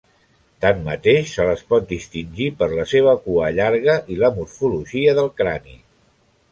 Tanmateix, se les pot distingir per la seva cua llarga i la morfologia del crani.